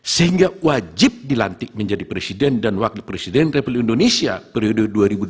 sehingga wajib dilantik menjadi presiden dan wakil presiden republik indonesia periode dua ribu dua puluh empat dua ribu dua puluh sembilan